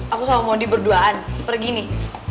aku sama mondi berduaan pergi nih